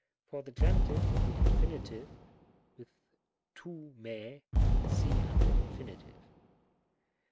For the Gen. of the Infinitive with rov fir]^ see under Infinitive.